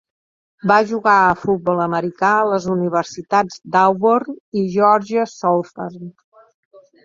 Va jugar a futbol americà a les universitats d'Auburn i Georgia Southern.